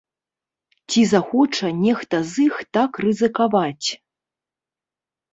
Ці захоча нехта з іх так рызыкаваць?